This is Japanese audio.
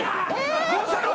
どうしたの？